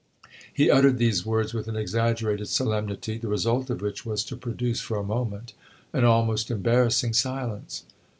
He uttered these words with an exaggerated solemnity, the result of which was to produce, for a moment, an almost embarrassing silence.